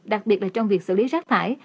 đặc biệt là trong việc xử lý rác thải